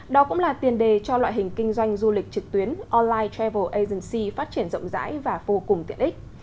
đó cũng là tiền đề cho loại hình kinh doanh du lịch trực tuyến online travel asianc phát triển rộng rãi và vô cùng tiện ích